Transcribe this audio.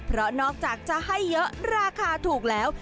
เพราะนอกจากจะให้เยอะราคาถูกแล้ว